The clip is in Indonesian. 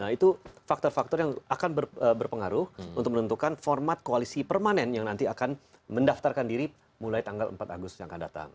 nah itu faktor faktor yang akan berpengaruh untuk menentukan format koalisi permanen yang nanti akan mendaftarkan diri mulai tanggal empat agustus yang akan datang